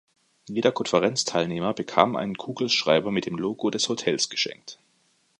Jeder Konferenzteilnehmer bekam einen Kugelschreiber mit dem Logo des Hotels geschenkt.